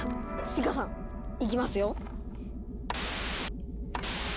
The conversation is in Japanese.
スピカさんいきますよ。